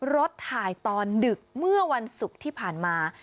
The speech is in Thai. รถถ่ายตอนดึกเมื่อวันศุกร์ที่ผ่านมา